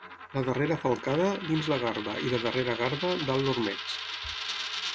La darrera falcada, dins la garba i la darrera garba, dalt l'ormeig.